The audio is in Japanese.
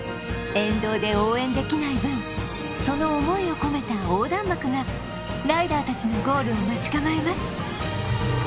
沿道で応援できない分その思いを込めた横断幕がライダー達のゴールを待ち構えます